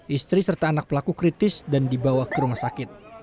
istri serta anak pelaku kritis dan dibawa ke rumah sakit